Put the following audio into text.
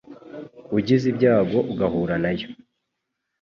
Ugize ibyago ugahura na yo